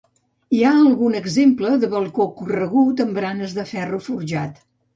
Hi ha algun exemple de balcó corregut amb baranes de ferro forjat.